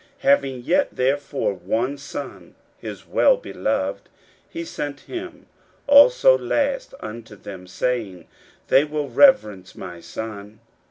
41:012:006 Having yet therefore one son, his wellbeloved, he sent him also last unto them, saying, They will reverence my son.